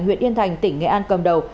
huyện yên thành tỉnh nghệ an cầm đầu